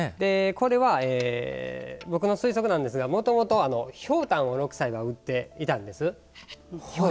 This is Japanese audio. これは僕の推測なんですがもともと、ひょうたんを六斎が打っていたんです。